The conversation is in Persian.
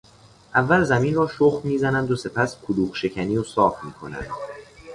اول زمین را شخم میزنند و سپس کلوخشکنی و صاف میکنند.